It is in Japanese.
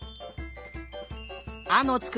「あ」のつく